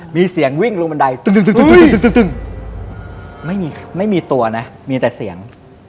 มีเสียงวิ่งลงบันไดตึง